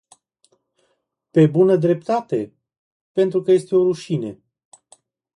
Pe bună dreptate, pentru că este o rușine!